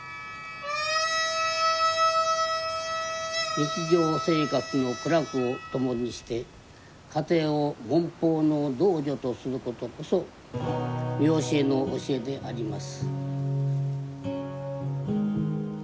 日常生活の苦楽を共にして家庭を聞法の道場とすることこそ御教えの教えであります。